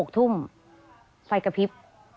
๖ทุ่มไฟกระพริบ